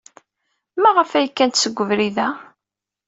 Maɣef ay kkant seg ubrid-a?